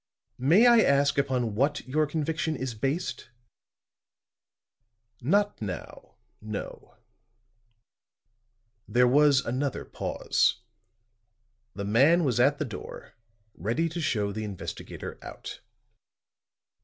"May I ask upon what your conviction is based?" "Not now no." There was another pause; the man was at the door, ready to show the investigator out.